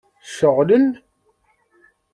Ceɣlen?